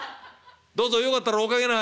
どうぞよかったらお掛けなさい」。